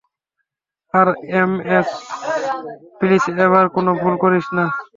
R MS, please এবার কোনো ভুল করিস না।